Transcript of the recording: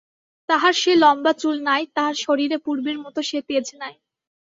তাহার সে লম্বা চুল নাই, তাহার শরীরে পূর্বের মতো সে তেজ নাই।